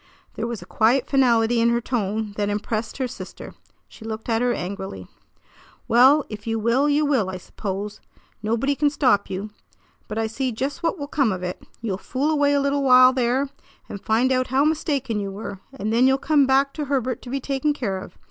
There was a quiet finality in her tone that impressed her sister. She looked at her angrily. "Well, if you will, you will, I suppose. Nobody can stop you. But I see just what will come of it. You'll fool away a little while there, and find out how mistaken you were; and then you'll come back to Herbert to be taken care of.